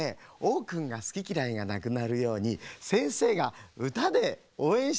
Ｏくんがすききらいがなくなるようにせんせいがうたでおうえんしてあげましょう。